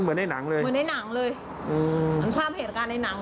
เหมือนในหนังเลยเหมือนในหนังเลยอืมเหมือนภาพเหตุการณ์ในหนัง